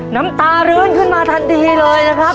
น้ำตารื้นขึ้นมาทันทีเลยนะครับ